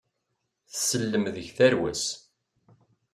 Tsellem deg tarwa-s.